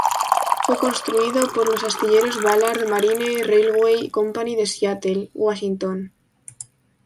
Fue construido por los astilleros Ballard Marine Railway Company de Seattle, Washington.